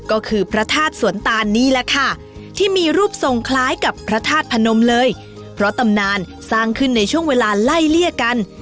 ก็คือพระธาตุสวนตานนี่แหละค่ะที่มีรูปทรงคล้ายกับพระธาตุพนมเลยเพราะตำนานสร้างขึ้นในช่วงเวลาไล่เลี่ยกัน